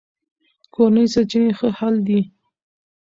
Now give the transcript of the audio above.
کورني سرچینې ښه حل دي.